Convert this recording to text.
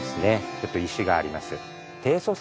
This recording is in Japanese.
ちょっと石があります。